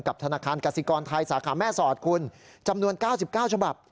ธนาคารกสิกรไทยสาขาแม่สอดคุณจำนวน๙๙ฉบับ